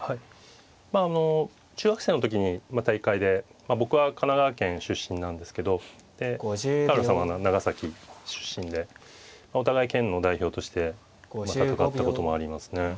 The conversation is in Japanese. あの中学生の時に大会で僕は神奈川県出身なんですけど深浦さんは長崎出身でお互い県の代表として戦ったこともありますね。